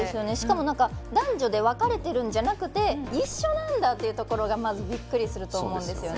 男女で分かれてるんじゃなくて一緒なんだっていうところがまずびっくりすると思うんですね。